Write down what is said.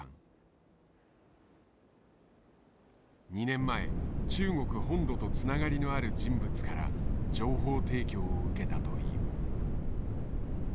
２年前中国本土とつながりのある人物から情報提供を受けたという。